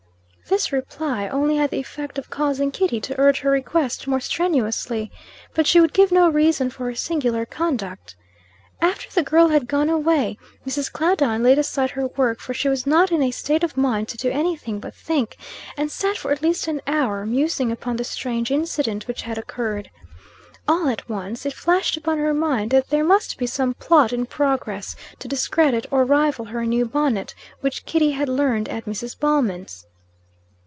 This reply only had the effect of causing Kitty to urge her request more strenuously. But she would give no reason for her singular conduct. After the girl had gone away, Mrs. Claudine laid aside her work for she was not in a state of mind to do any thing but think and sat for at least an hour, musing upon the strange incident which had occurred. All at once, it flashed upon her mind that there must be some plot in progress to discredit or rival her new bonnet, which Kitty had learned at Mrs. Ballman's.